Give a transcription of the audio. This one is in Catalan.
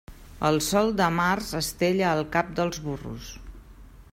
El sol de març estella el cap dels burros.